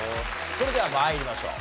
それでは参りましょう。